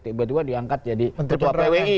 tiba tiba diangkat jadi ppi